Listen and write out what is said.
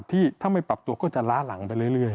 ที่ถ้าไม่ปรับตัวก็จะล้าหลังไปเรื่อย